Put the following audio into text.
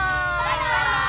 バイバーイ！